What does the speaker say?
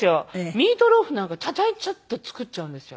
ミートローフなんかチャチャチャッて作っちゃうんですよ。